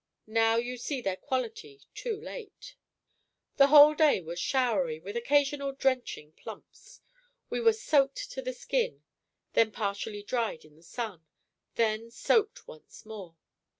Now you see their quality too late. The whole day was showery, with occasional drenching plumps. We were soaked to the skin, then partially dried in the sun, then soaked once more.